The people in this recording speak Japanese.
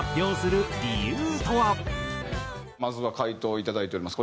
まずは回答をいただいております。